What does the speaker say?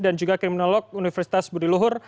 dan juga kriminolog universitas budi luhur